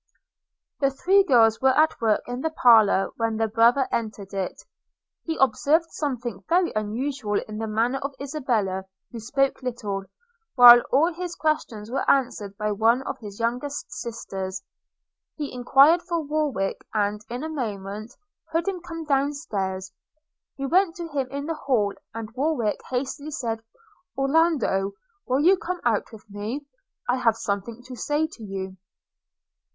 The three girls were at work in the parlour when their brother entered it. He observed something very unusual in the manner of Isabella, who spoke little; while all his questions were answered by one of his youngest sisters. He enquired for Warwick; and, in a moment, heard him come down stairs. He went to him in the hall, and Warwick hastily said – 'Orlando, will you come out with me? I have something to say to you.'